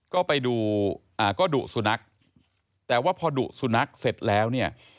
ก็ไปดูอ่าก็ดุสุนัขแต่ว่าพอดุสุนัขเสร็จแล้วเนี่ย